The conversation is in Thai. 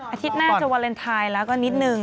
อาทิตย์หน้าจะวาเลนไทยแล้วก็นิดนึง